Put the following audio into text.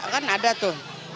kan ada tuh